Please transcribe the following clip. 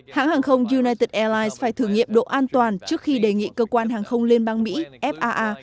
hãng hàng không united airlines phải thử nghiệm độ an toàn trước khi đề nghị cơ quan hàng không liên bang mỹ faa